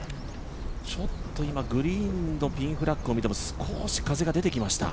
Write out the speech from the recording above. ちょっと今グリーンのピンフラッグを見ても少し風が出てきました。